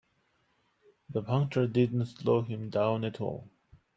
The puncture didn't slow him down at all.